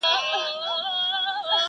نور لاس کي کتاب راکه قلم راکه,